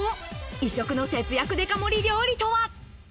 異色の節約デカ盛り料理とは？